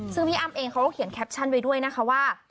ซึ่งพี่อ้ำเองเขาก็เขียนแคปชั่นไว้ด้วยนะคะว่า